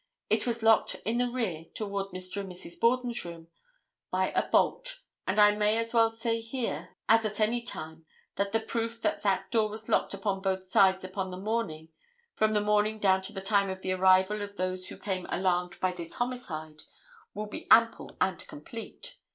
It was locked in the rear toward Mr. and Mrs. Borden's room by a bolt, and I may as well say here as at any time that the proof that that door was locked upon both sides upon this morning, from the morning down to the time of the arrival of those who came alarmed by this homicide, will be ample and complete.